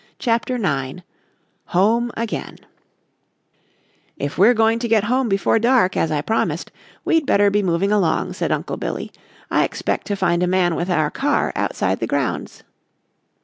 CHAPTER IX HOME AGAIN "If we're going to get home before dark, as I promised, we'd better be moving along," said Uncle Billy. "I expect to find a man with our car outside the grounds."